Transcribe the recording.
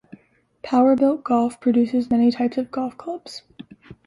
Powerbilt Golf produces many types of golf clubs.